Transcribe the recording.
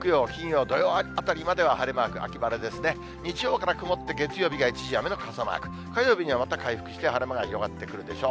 日曜日から曇って、月曜日が一時雨の傘マーク、火曜日にはまた回復して晴れ間が広がってくるでしょう。